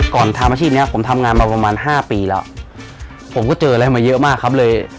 ทำอาชีพเนี้ยผมทำงานมาประมาณห้าปีแล้วผมก็เจออะไรมาเยอะมากครับเลย